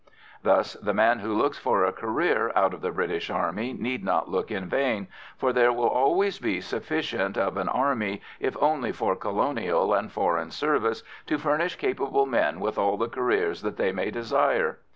Thus the man who looks for a career out of the British Army need not look in vain, for there will always be sufficient of an army, if only for colonial and foreign service, to furnish capable men with all the careers that they may desire.